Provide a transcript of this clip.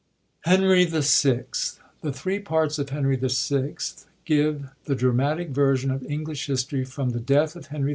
. Hbnby "VI.— The three parts of Henry VL give the dramatic version of English history from the death of Henry V.